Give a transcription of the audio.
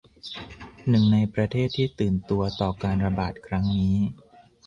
หนึ่งในประเทศที่ตื่นตัวต่อการระบาดครั้งนี้